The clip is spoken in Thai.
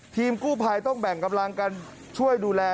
ทีมกู้ภัยต้องแบ่งกำลังกันช่วยดูแล